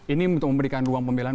ini untuk memberikan ruang pembelaan